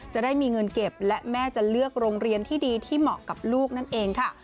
จะได้มีเงินเก็บและแม่จะเลือกโรงเรียนที่ดีที่เหมาะกับลูกนั่นเองค่ะ